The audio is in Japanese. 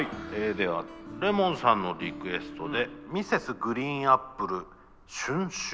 ではレモンさんのリクエストでＭｒｓ．ＧＲＥＥＮＡＰＰＬＥ「春愁」。